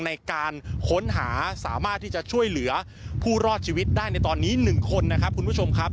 ในการค้นหาสามารถที่จะช่วยเหลือผู้รอดชีวิตได้ในตอนนี้๑คนนะครับคุณผู้ชมครับ